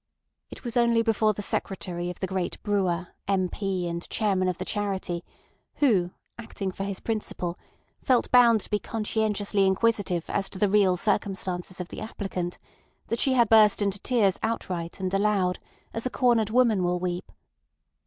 It was only before the Secretary of the great brewer M. P. and Chairman of the Charity, who, acting for his principal, felt bound to be conscientiously inquisitive as to the real circumstances of the applicant, that she had burst into tears outright and aloud, as a cornered woman will weep.